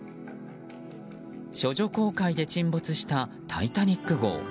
処女航海で沈没した「タイタニック号」。